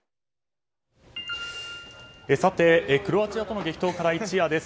クロアチアとの激闘から一夜です。